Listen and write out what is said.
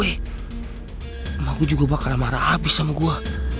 emang gue juga bakal marah abis sama gue